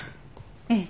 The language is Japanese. ええ。